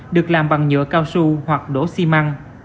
được làm bằng nhựa cao su hoặc đổ xi măng